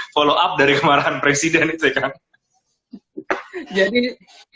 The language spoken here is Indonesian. follow up dari kemarahan presiden